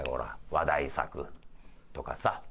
話題作とかさ。